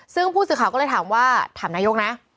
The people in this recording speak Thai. ซึ่งผู้สื่อข่าวก็เลยถามว่าถามนายกนะ